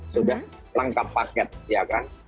sudah lengkap paket ya kan